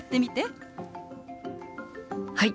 はい！